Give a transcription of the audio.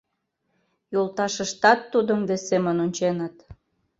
Йолташыштат тудым вес семын онченыт.